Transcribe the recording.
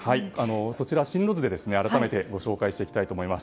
進路図で改めてご紹介していきたいと思います。